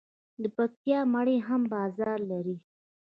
د پکتیا مڼې هم بازار لري.